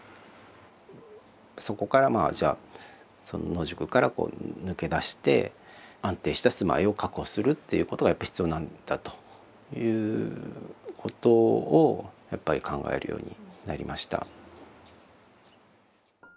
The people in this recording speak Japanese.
そこからまあじゃあ野宿から抜け出して安定した住まいを確保するっていうことがやっぱり必要なんだということをやっぱり考えるようになりました。